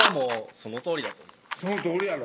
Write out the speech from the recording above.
そのとおりやろ？